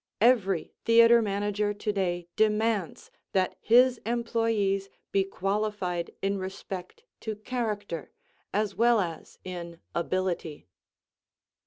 Every theatre manager today demands that his employees be qualified in respect to character as well as in ability.